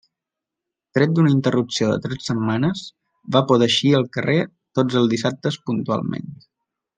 Tret d’una interrupció de tres setmanes, va poder eixir al carrer tots els dissabtes puntualment.